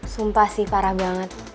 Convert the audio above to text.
sumpah sih parah banget